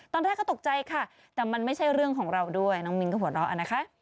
ตอนแรกก็ตกใจค่ะแต่มันไม่ใช่เรื่องของเราด้วยน้องมิ้นก็หัวเราะนะคะ